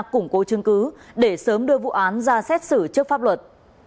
củng cố chứng cứ để sớm đưa vụ án ra xét xử trước pháp luật